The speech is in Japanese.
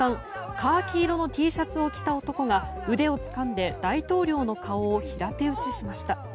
カーキ色のＴシャツを着た男が腕をつかんで大統領の顔を平手打ちしました。